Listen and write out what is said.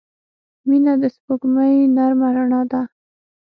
• مینه د سپوږمۍ نرمه رڼا ده.